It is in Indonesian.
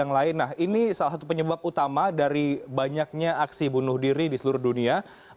nah ini salah satu penyebab utama dari banyaknya aksi bunuh diri di seluruh dunia